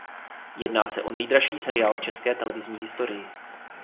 Jedná se o nejdražší seriál v české televizní historii.